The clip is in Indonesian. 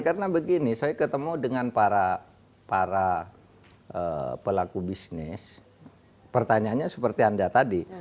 karena begini saya ketemu dengan para pelaku bisnis pertanyaannya seperti anda tadi